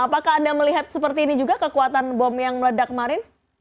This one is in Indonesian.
apakah anda melihat seperti ini juga kekuatan bom yang meledak kemarin